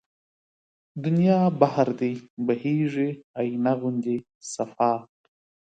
دنيا بحر دی بهيږي آينه غوندې صفا